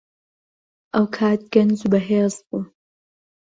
ئەو کات گەنج و بەهێز بووم.